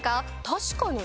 確かに。